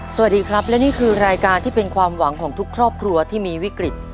สวัสดีครับและนี่คือรายการที่เป็นความหวังของทุกครอบครัวที่มีวิกฤต